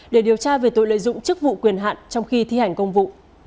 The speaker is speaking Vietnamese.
để điều tra về tội lợi dụng chức vụ quyền hạn trong khi thi hành công vụ